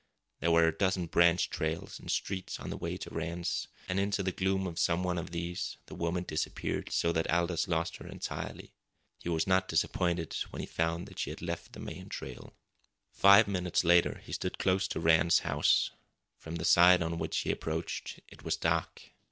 There were a dozen branch trails and "streets" on the way to Rann's, and into the gloom of some one of these the woman disappeared, so that Aldous lost her entirely. He was not disappointed when he found she had left the main trail. Five minutes later he stood close to Rann's house. From the side on which he had approached it was dark.